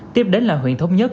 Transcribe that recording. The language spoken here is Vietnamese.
tiếp đến là huyện thống nhất